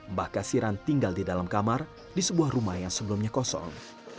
mbah kasiran tinggal di dalam kamar di sebuah rumah yang sebelumnya kosong